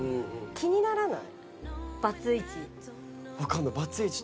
気にならない？